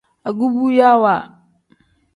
Agubuyaawa.